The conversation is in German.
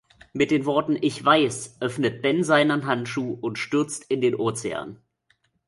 Mit den Worten "ich weiß" öffnet Ben seinen Handschuh und stürzt in den Ozean.